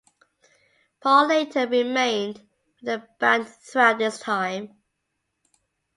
Paul Layton remained with the band throughout this time.